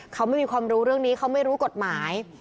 เขาไม่มีความรู้เรื่องนี้เขาไม่รู้กฎหมาย